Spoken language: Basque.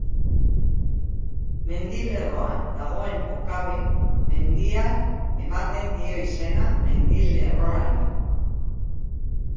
Mendilerroan dagoen Okabe Mendiak ematen dio izena mendilerroari.